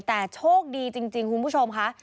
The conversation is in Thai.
แต่โชคดีจริงคุณผู้ชมค่ะ